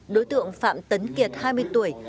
đối tượng phạm tấn kiệt hai mươi tuổi